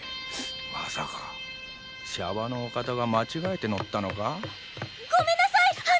まさかシャバのお方が間違えて乗ったのか⁉・ゴメンナサイッ！